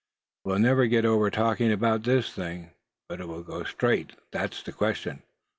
We'll never get over talking about this thing. But will it go straight; that's the question?"